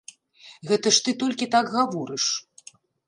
Гэта ж ты толькі так гаворыш.